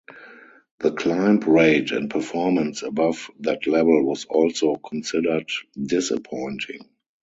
The climb rate and performance above that level was also considered disappointing.